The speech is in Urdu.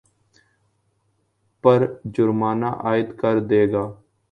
پر جرمانہ عاید کردے گا